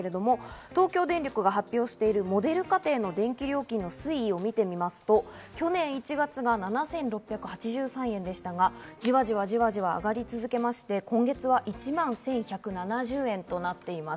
東京電力が発表しているモデル家庭の電気料金の推移を見てみますと、今年１月が７６８３円でしたが、じわじわ上がり続けまして今月は１万１１７０円となっています。